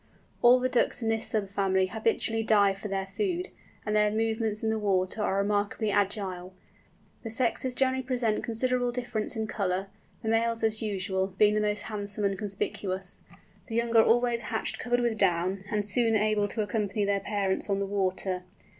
All the Ducks in this sub family habitually dive for their food, and their movements in the water are remarkably agile. The sexes generally present considerable difference in colour, the males, as usual, being the most handsome and conspicuous. The young are always hatched covered with down, and soon able to accompany their parents on the water.